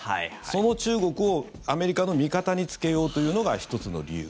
その中国をアメリカの味方につけようというのが１つの理由。